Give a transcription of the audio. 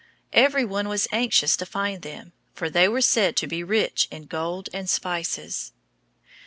Every one was anxious to find them, for they were said to be rich in gold and spices.